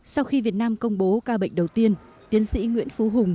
sau khi việt nam công bố ca bệnh đầu tiên tiến sĩ nguyễn phú hùng